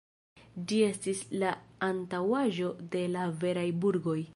Ĝi estis la antaŭaĵo de la veraj burgoj.